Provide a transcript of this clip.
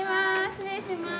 失礼しまーす。